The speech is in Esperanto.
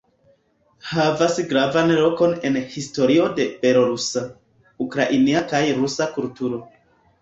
Havas gravan lokon en historio de belorusa, ukrainia kaj rusa kulturo.